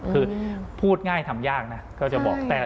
คือพูดง่ายทำยากนะก็จะบอก